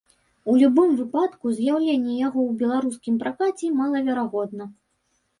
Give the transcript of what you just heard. У любым выпадку, з'яўленне яго ў беларускім пракаце малаверагодна.